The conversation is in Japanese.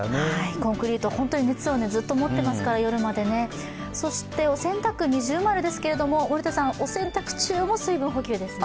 コンクリート、熱をずっと持っていますから夜までね、そしてお洗濯、◎ですけれども、お洗濯中も水分補給ですね？